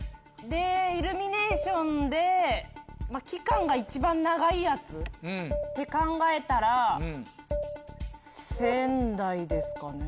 イルミネーションで期間が一番長いやつって考えたら仙台ですかね。